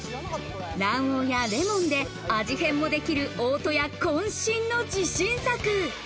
卵黄やレモンで味変もできる大戸屋渾身の自信作。